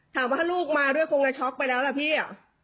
ถามว่าลูกมาด้วยคงจะช็อกไปแล้วล่ะพี่